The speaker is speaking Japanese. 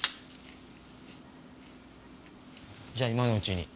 じゃあ今のうちに。